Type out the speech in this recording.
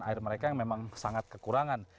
air mereka yang memang sangat kekurangan